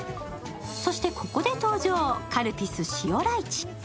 そしてここで登場、カルピス塩ライチ。